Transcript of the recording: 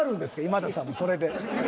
今田さんもそれで。